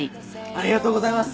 ありがとうございます。